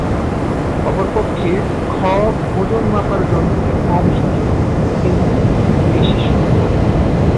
অপরপক্ষে "খ" ওজন মাপার যন্ত্রটি কম সঠিক, কিন্তু বেশি সূক্ষ্ম।